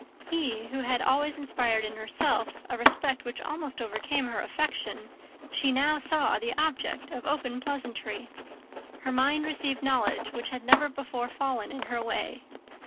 He, who had always inspired in herself a respect which almost overcame her affection, she now saw the object of open pleasantry. Her mind received knowledge which had never before fallen in her way.